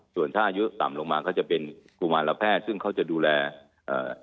ส่วนถ้าอายุต่ำลงมาก็จะเป็นกุมารแพทย์ซึ่งเขาจะดูแลเอ่อ